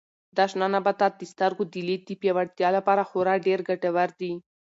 دا شنه نباتات د سترګو د لید د پیاوړتیا لپاره خورا ډېر ګټور دي.